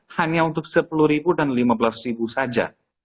hanya untuk sepuluh dan lima belas saja